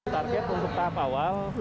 target untuk tahap awal